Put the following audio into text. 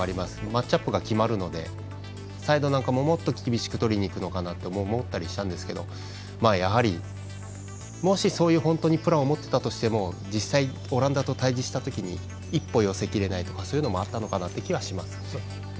マッチアップが決まるのでサイドなんかももっと厳しくとりにいくのかなと思ったりしたんですけどやはり、もしそういうプランを持っていたとしても実際オランダと対じしたときに一歩寄せきれないとかそういうのもあったのかなという気はします。